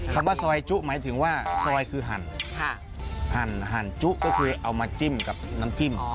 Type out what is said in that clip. คำว่าซอยจุหมายถึงว่าซอยคือหั่นหั่นจุก็คือเอามาจิ้มกับน้ำจิ้ม